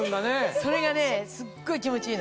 それがすっごい気持ちいいの。